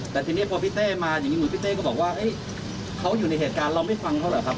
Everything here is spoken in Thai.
แต่ทีนี้พอพี่เต้มาอย่างนี้เหมือนพี่เต้ก็บอกว่าเขาอยู่ในเหตุการณ์เราไม่ฟังเขาเหรอครับ